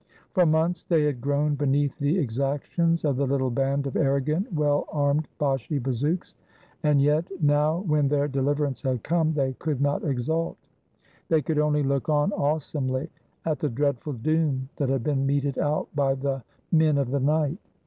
For months they had groaned beneath the exactions of the little band of arrogant, well armed Bashi bazouks, and yet, now when their deliverance had come, they could not exult. They could only look on, awesomely, at the dreadful doom that had been meted out by the " Men of the Night."